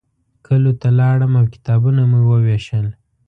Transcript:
کلیو ته لاړم او کتابونه مې ووېشل.